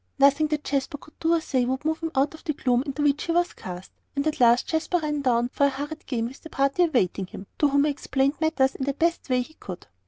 Nothing that Jasper could do or say would move him out of the gloom into which he was cast, and at last Jasper ran down for a hurried game with the party awaiting him, to whom he explained matters in the best way he could.